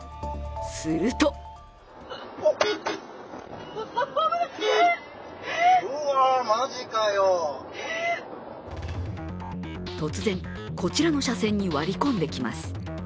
すると突然、こちらの車線に割り込んできます。